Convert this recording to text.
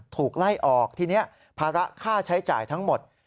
ถูกไล่ออกทีนี้ภาระค่าใช้จ่ายทั้งหมด